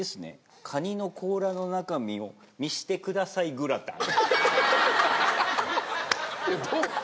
カニの甲らの中身を見せてくださいグラタン。